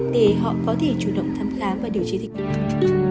để họ có thể chủ động thăm khám và điều trị tình dục